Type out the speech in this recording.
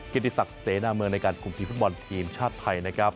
เก็นที่สักเสนอเมืองในการคุ้มทีฟุตบอลทีมชาติไทย